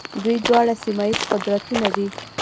دوی دواړه سیمه ییز قدرتونه دي.